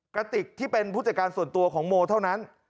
กระติกที่เป็นผู้จัดการส่วนตัวของโมเท่านั้น